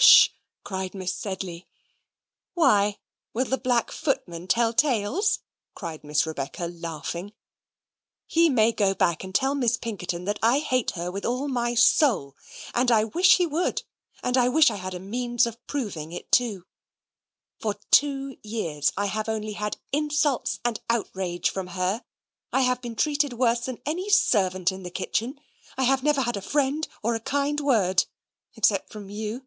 "Hush!" cried Miss Sedley. "Why, will the black footman tell tales?" cried Miss Rebecca, laughing. "He may go back and tell Miss Pinkerton that I hate her with all my soul; and I wish he would; and I wish I had a means of proving it, too. For two years I have only had insults and outrage from her. I have been treated worse than any servant in the kitchen. I have never had a friend or a kind word, except from you.